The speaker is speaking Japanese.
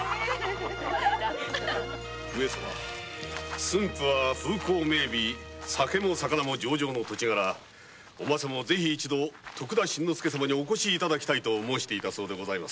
上様駿府は風光明美酒も魚も上々の土地柄お政も是非一度徳田新之助様にお越し頂きたいと申していたそうで。